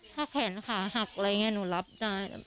ถ้าแขนขาหักอะไรอย่างนี้หนูรับได้